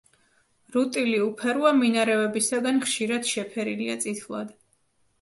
რუტილი უფეროა, მინარევებისაგან ხშირად შეფერილია წითლად.